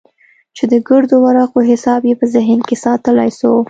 چې د ګردو ورقو حساب يې په ذهن کښې ساتلى سو.